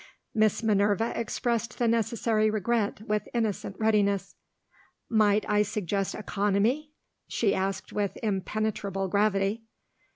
Miss Minerva expressed the necessary regret with innocent readiness. "Might I suggest economy?" she asked with impenetrable gravity.